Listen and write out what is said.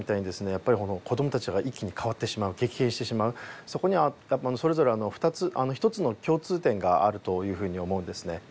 やっぱり子どもたちが一気に変わってしまう激変してしまうそこには多分それぞれ一つの共通点があるというふうに思うんですね